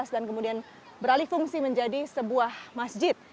dan kemudian beralih fungsi menjadi sebuah masjid